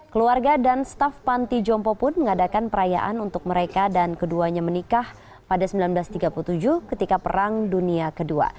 keluarga dan staf panti jompo pun mengadakan perayaan untuk mereka dan keduanya menikah pada seribu sembilan ratus tiga puluh tujuh ketika perang dunia ii